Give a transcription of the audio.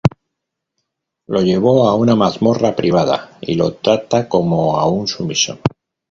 Lo lleva a una mazmorra privada y lo trata como a un sumiso.